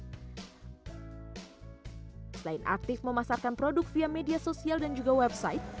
selain aktif memasarkan produk via media sosial dan juga website